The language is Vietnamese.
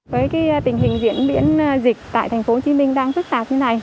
với tình hình diễn biến dịch tại tp hcm đang phức tạp như này